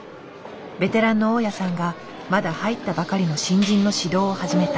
ベテランの大矢さんがまだ入ったばかりの新人の指導を始めた。